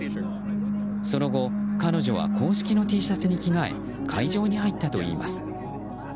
その後、彼女は公式のＴシャツに着替え会場に入ったといいます。